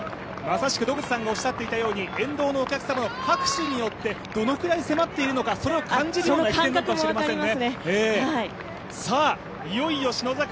まさしく野口さんがおっしゃっていたように、沿道のお客さんの拍手によってどのくらい迫っているのか感じるような駅伝なのかもしれませんね。